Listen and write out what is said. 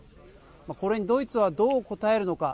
これにドイツはどう答えるのか。